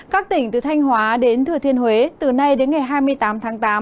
các tỉnh từ thanh hóa đến thừa thiên huế từ nay đến ngày hai mươi tám tháng tám